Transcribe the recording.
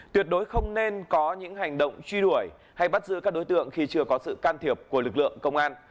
tuyệt đối không nên có những hành động truy đuổi hay bắt giữ các đối tượng khi chưa có sự can thiệp của lực lượng công an